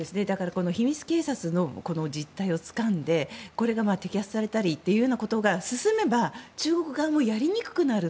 秘密警察の実態をつかんでこれが摘発されたりということが進めば、中国側もやりにくくなる。